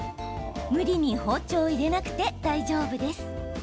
無理に包丁を入れなくて大丈夫です。